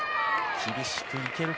厳しくいけるか。